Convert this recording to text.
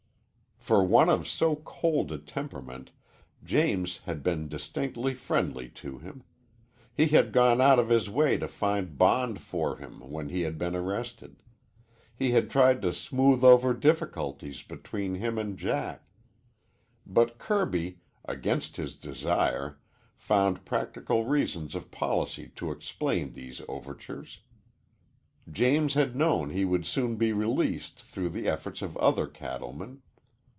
For one of so cold a temperament James had been distinctly friendly to him. He had gone out of his way to find bond for him when he had been arrested. He had tried to smooth over difficulties between him and Jack. But Kirby, against his desire, found practical reasons of policy to explain these overtures. James had known he would soon be released through the efforts of other cattlemen.